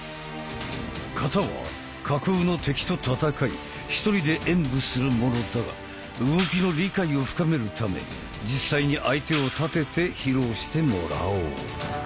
形は架空の敵と戦い１人で演武するものだが動きの理解を深めるため実際に相手を立てて披露してもらおう！